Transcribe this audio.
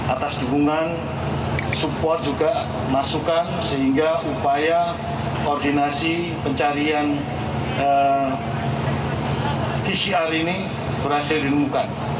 atas dukungan support juga masukan sehingga upaya koordinasi pencarian pcr ini berhasil ditemukan